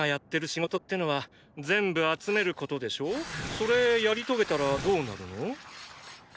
それやり遂げたらどうなるの？